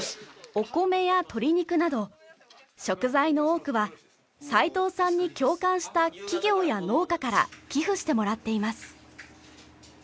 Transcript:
お米や鶏肉など食材の多くは齊藤さんに共感した企業や農家から寄付してもらっています。